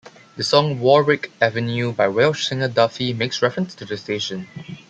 The song "Warwick Avenue" by Welsh singer Duffy makes reference to the station.